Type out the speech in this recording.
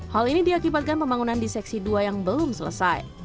hal ini diakibatkan pembangunan di seksi dua yang belum selesai